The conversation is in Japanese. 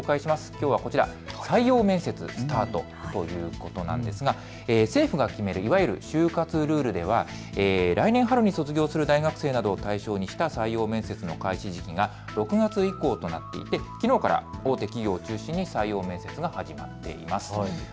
きょうはこちら、採用面接スタートということなんですが政府が決めるいわゆる就活ルールでは来年春に卒業する大学生などを対象にした採用面接の開始時期が６月以降となっていてきのうから大手企業を中心に採用面接が始まっています。